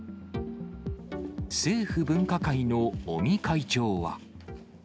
政府分科会の尾身会長は。